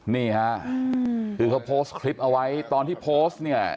นี่ค่ะคือเขาโพสต์คลิปเอาไว้ตอนที่โพสต์เนี่ย